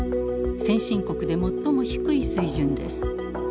先進国で最も低い水準です。